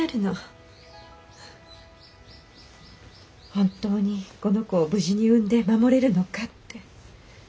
本当にこの子を無事に産んで守れるのかって。